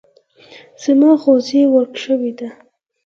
زما غوږۍ ورک شوی ده.